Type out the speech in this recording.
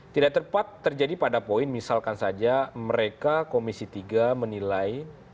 tidak tepat terjadi pada poin misalkan saja mereka komisi tiga menilai